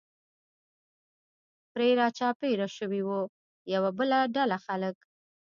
پرې را چاپېر شوي و، یوه بله ډله خلک.